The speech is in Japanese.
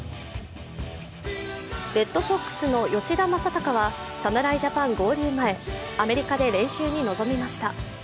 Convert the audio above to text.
レッドソックスの吉田正尚は侍ジャパン合流前アメリカで練習に臨みました。